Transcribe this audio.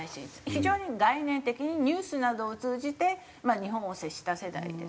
非常に概念的にニュースなどを通じて日本を接した世代ですね。